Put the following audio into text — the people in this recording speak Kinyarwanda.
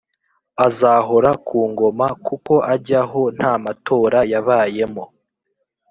Azahora kungoma kuko ajyaho ntamatora yabayemo